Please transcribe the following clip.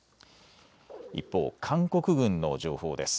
一方、韓国軍の情報です。